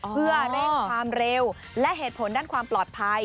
เพื่อเร่งความเร็วและเหตุผลด้านความปลอดภัย